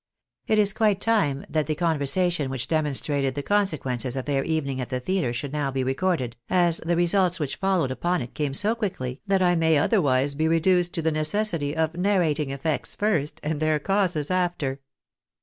It is quite time that the conversation which demonstrated the consequences of their evening at the theatre should now be recorded, as the results which followed upon it came so quickly, that I may other^vise be reduced to the necessity of narrating effects first and their causes after.